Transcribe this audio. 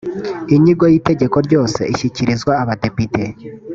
inyigo y’itegeko ryose ishyikirizwa abadepite